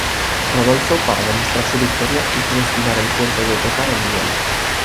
Rodolfo, para demostrar su victoria, hizo desfilar el cuerpo de Ottokar en Viena.